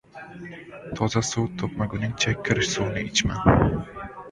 • Toza suv topmaguningcha kir suvni ichma.